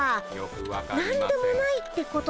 何でもないってことで。